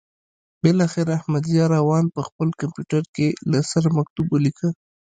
بالاخره احمدضیاء روان په خپل کمپیوټر کې له سره مکتوب ولیکه.